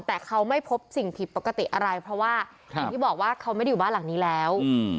แต่เขาไม่พบสิ่งผิดปกติอะไรเพราะว่าอย่างที่บอกว่าเขาไม่ได้อยู่บ้านหลังนี้แล้ว